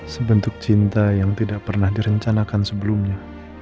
sebentuk cinta yang tidak pernah direncanakan sebelumnya